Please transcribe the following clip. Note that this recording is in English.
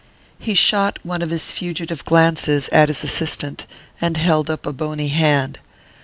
He shot one of his fugitive glances at his assistant, and held up a bony hand.